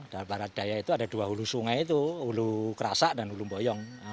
dalam barat daya itu ada dua hulu sungai itu hulu kerasak dan hulu boyong